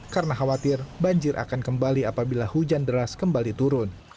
karena khawatir banjir akan kembali apabila hujan deras kembali turun